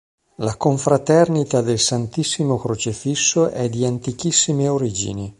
La Confraternita del Santissimo Crocifisso è di antichissime origini.